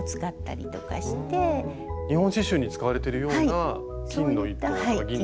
日本刺しゅうに使われているような金の糸とか銀の糸。